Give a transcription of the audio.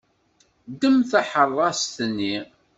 Ddem taḥeṛṛast-nni.